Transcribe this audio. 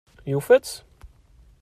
Yufa-tt?